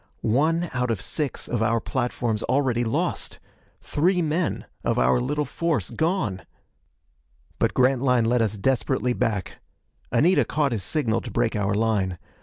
One out of six of our platforms already lost! Three men of our little force gone! But Grantline led us desperately back. Anita caught his signal to break our line.